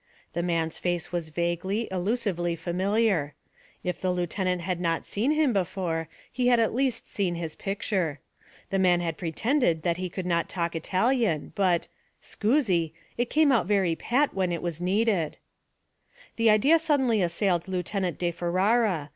The man's face was vaguely, elusively familiar; if the lieutenant had not seen him before, he had at least seen his picture. The man had pretended he could not talk Italian, but Scusi it came out very pat when it was needed. An idea suddenly assailed Lieutenant di Ferara.